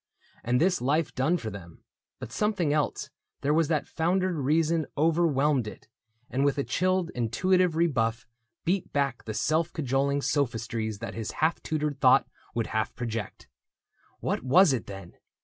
And this life done for them ; but something else There was that foundered reason, overwhelmed it, And with a chilled, intuitive rebuff Beat back the self cajoling sophistries That his half tutored thought would half project. What was it, then